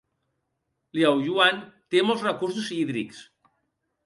Liaoyuan té molts recursos hídrics.